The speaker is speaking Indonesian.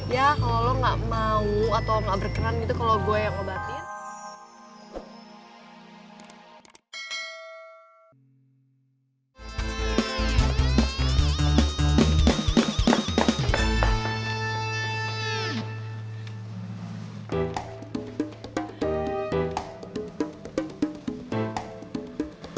ya kalo lo gak mau atau gak berkenan gitu kalo gue yang obatin